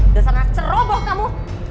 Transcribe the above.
desana ceroboh kamu